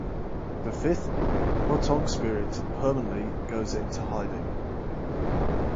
The fifth Wutong spirit permanently goes into hiding.